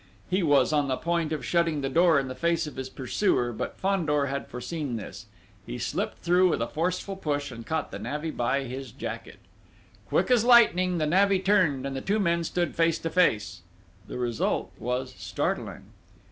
He was on the point of shutting the door in the face of his pursuer, but Fandor had foreseen this. He slipped through with a forceful push and caught the navvy by his jacket. Quick as lightning the navvy turned, and the two men stood face to face.... The result was startling!